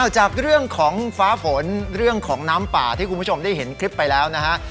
จากเรื่องของฟ้าฝนเรื่องของน้ำป่าที่คุณผู้ชมได้เห็นคลิปไปแล้วนะฮะ